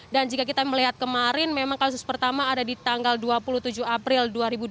dan jika kita melihat kemarin memang kasus pertama ada di tanggal dua puluh tujuh april dua ribu dua puluh dua